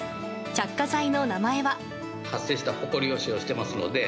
着火剤の名前は。